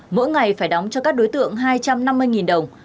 mỗi ngày phải đóng cho các đối tượng hai trăm năm mươi đồng